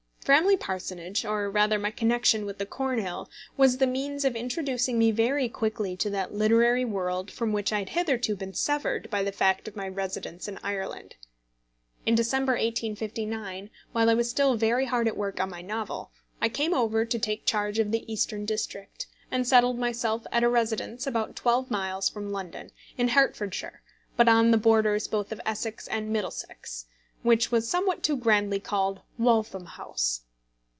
Framley Parsonage or, rather, my connection with the Cornhill was the means of introducing me very quickly to that literary world from which I had hitherto been severed by the fact of my residence in Ireland. In December, 1859, while I was still very hard at work on my novel, I came over to take charge of the Eastern District, and settled myself at a residence about twelve miles from London, in Hertfordshire, but on the borders both of Essex and Middlesex, which was somewhat too grandly called Waltham House.